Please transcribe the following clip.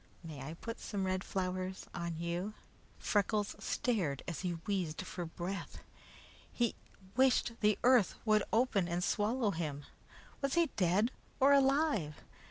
May I put some red flowers on you?" Freckles stared as he wheezed for breath. He wished the earth would open and swallow him. Was he dead or alive?